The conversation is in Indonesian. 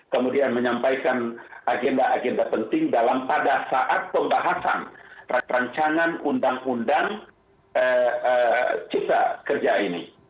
kemudian menyampaikan agenda agenda penting pada saat pembahasan rancangan undang undang cipta kerja ini